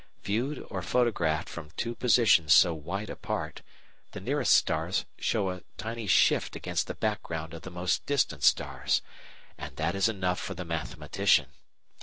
Viewed or photographed from two positions so wide apart, the nearest stars show a tiny "shift" against the background of the most distant stars, and that is enough for the mathematician.